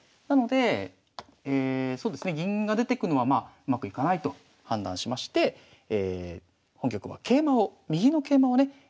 なのでそうですね銀が出てくのはうまくいかないと判断しまして本局は右の桂馬をね